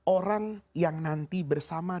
orang yang nanti bersama